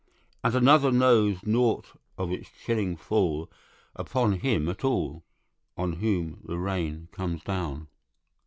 And another knows nought of its chilling fall Upon him aat all, On whom the rain comes down.